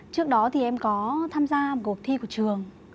trước đó thì em có tham gia cuộc thi của trường